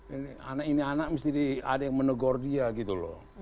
ini anak ini anak mesti ada yang menegur dia gitu loh